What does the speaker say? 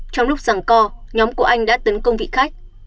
trong lúc rằng co nhóm của anh đã tấn công vị khách